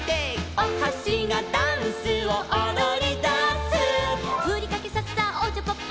「おはしがダンスをおどりだす」「ふりかけさっさおちゃぱっぱ」